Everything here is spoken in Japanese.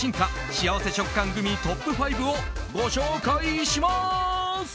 幸せ食感のグミトップ５をご紹介します。